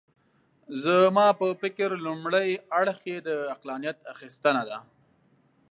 زما په فکر لومړی اړخ یې د عقلانیت اخیستنه ده.